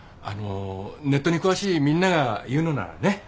あのネットに詳しいみんなが言うのならね。